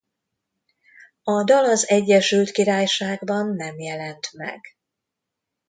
A dal az Egyesült Királyságban nem jelent meg.